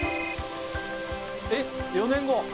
えっ４年後？